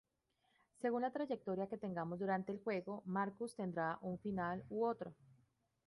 Según la trayectoria que tengamos durante el juego, Marcus tendrá un final u otro.